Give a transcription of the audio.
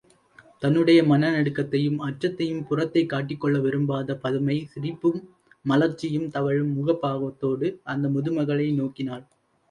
தன்னுடைய மனநடுக்கத்தையும் அச்சத்தையும் புறத்தே காட்டிக்கொள்ள விரும்பாத பதுமை சிரிப்பும் மலர்ச்சியும் தவழும் முகபாவத்தோடு அந்த முதுமகளை நோக்கினாள்.